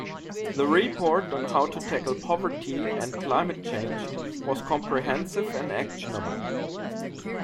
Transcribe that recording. The report on how to tackle poverty and climate change was comprehensive and actionable.